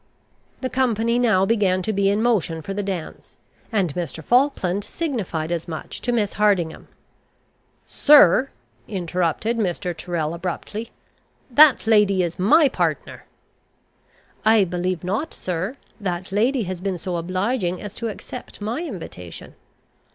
The company now began to be in motion for the dance, and Mr. Falkland signified as much to Miss Hardingham. "Sir," interrupted Mr. Tyrrel abruptly, "that lady is my partner." "I believe not, sir: that lady has been so obliging as to accept my invitation."